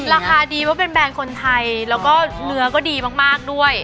ราคาดีว่าเป็นแบรนด์คนไทยแล้วก็เนื้อก็ดีมากด้วย